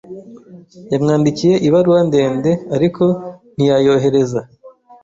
Yamwandikiye ibaruwa ndende, ariko ntiyayohereza.